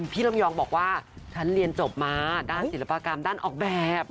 ลำยองบอกว่าฉันเรียนจบมาด้านศิลปกรรมด้านออกแบบ